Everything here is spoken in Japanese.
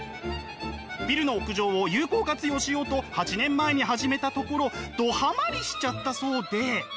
ビルの屋上を有効活用しようと８年前に始めたところどハマりしちゃったそうで。